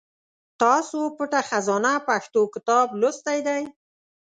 تاسو پټه خزانه پښتو کتاب لوستی دی ؟